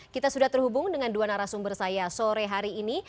kita sudah terhubung dengan dua narasumber saya sore hari ini